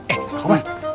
eh pak roman